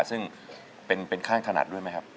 ซึ่งเป็นข้างถนัดด้วยไหมครับ